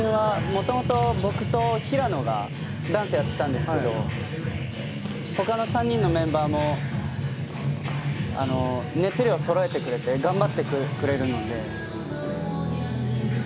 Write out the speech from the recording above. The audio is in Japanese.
もともと僕と平野がダンスやってたんですけど他の３人のメンバーも熱量揃えてくれて頑張ってくれるので。